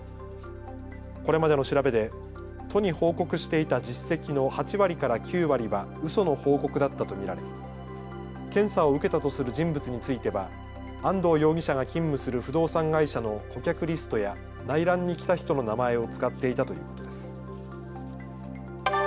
これまでの調べで都に報告していた実績の８割から９割はうその報告だったと見られ検査を受けたとする人物については安藤容疑者が勤務する不動産会社の顧客リストや内覧に来た人の名前を使っていたということです。